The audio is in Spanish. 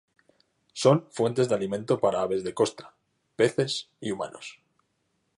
Son fuente de alimento para aves de costa, peces y humanos.